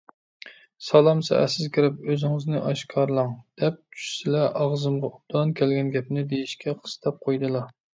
سالام سائەتسىز كىرىپ «ئۆزىڭىزنى ئاشكارىلاڭ» دەپ چۈشسىلە ئاغزىمغا ئوبدان كەلگەن گەپنى دېيىشكە قىستاپ قويىدىلا.